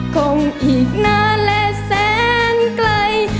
คงอีกนานและแสนไกล